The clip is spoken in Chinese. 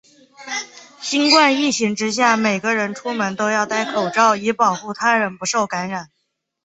新冠疫情之下，每个人出门都要带口罩，以保护他人不受感染。